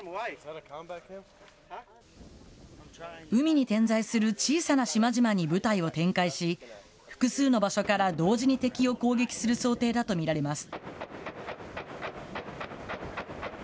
海に点在する小さな島々に部隊を展開し、複数の場所から同時に敵を攻撃する想定だと見られます。